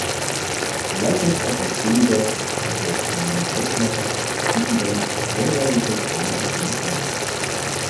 Leitungswasser ist billiger, enthält keinen Weichmacher und unterliegt strengeren Kontrollen als Mineralwasser.